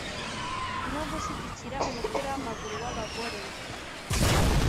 no gushyigikira umupira w’amaguru w’abagore.